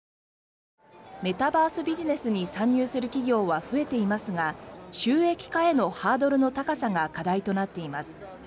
メタバースビジネスに参入する企業は増えていますが収益化へのハードルの高さが課題となっています。